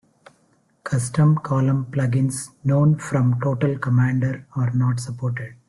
Custom column plugins known from Total Commander are not supported.